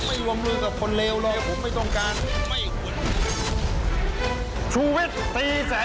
ทิ้งคำถามค่าใจไว้สารภาพแล้ว